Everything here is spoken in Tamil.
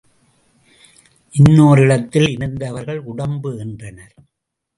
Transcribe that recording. இன்னோரிடத்தில் இருந்தவர்கள் உடம்பு என்றனர்.